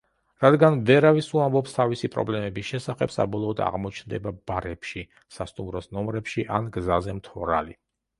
რადგან ვერავის უამბობს თავისი პრობლემების შესახებ, საბოლოოდ აღმოჩნდება ბარებში, სასტუმროს ნომრებში, ან გზაზე, მთვრალი.